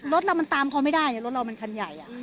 รถเรามันตามเขาไม่ได้รถเรามันคันใหญ่